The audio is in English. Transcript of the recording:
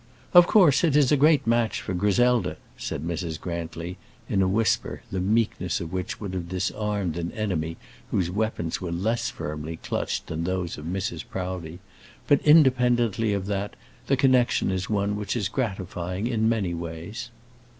"Of course it is a great match for Griselda," said Mrs. Grantly, in a whisper the meekness of which would have disarmed an enemy whose weapons were less firmly clutched than those of Mrs. Proudie; "but, independently of that, the connection is one which is gratifying in many ways."